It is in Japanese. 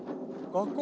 学校？